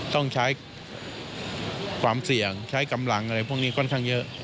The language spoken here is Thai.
ต้องใช้ความเสี่ยงใช้กำลังอะไรพวกนี้ค่อนข้างเยอะ